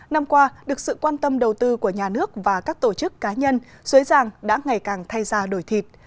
năm qua được sự quan tâm đầu tư của nhà nước và các tổ chức cá nhân xuế giàng đã ngày càng thay ra đổi thịt